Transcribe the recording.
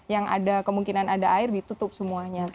yang ada kemungkinan ada air ditutup semuanya